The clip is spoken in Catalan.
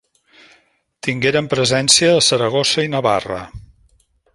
Tingueren presència a Saragossa i Navarra.